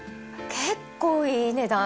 結構いい値段。